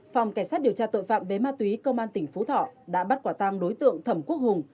phòng cảnh sát điều tra tội phạm về ma túy công an tỉnh phú thọ đã bắt quả tăng đối tượng thẩm quốc hùng